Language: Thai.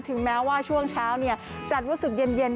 ถึงแม้ว่าช่วงเช้าเนี่ยจัดรู้สึกเย็นบ้าง